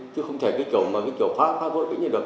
chứ không thể cái kiểu phá vội cũng như được